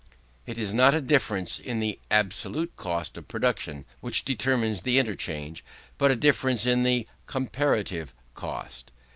It is not a difference in the absolute cost of production, which determines the interchange, but a difference in the comparative cost.